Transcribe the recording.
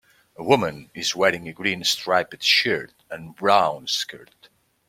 A woman is wearing a green striped shirt and a brown skirt.